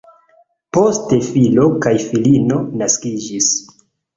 Poste filo kaj filino naskiĝis.